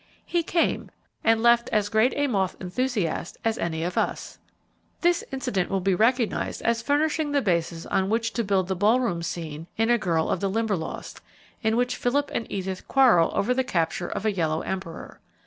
He came, and left as great a moth enthusiast as any of us. This incident will be recognized as furnishing the basis on which to build the ballroom scene in "A Girl of the Limberlost", in which Philip and Edith quarrel over the capture of a yellow Emperor.